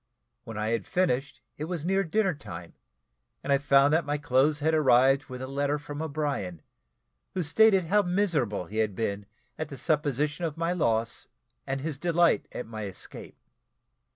When I had finished it was near dinner time, and I found that my clothes had arrived with a letter from O'Brien, who stated how miserable he had been at the supposition of my loss, and his delight at my escape.